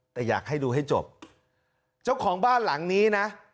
แต่อยากให้ดูให้จบเจ้าของบ้านหลังนี้นะ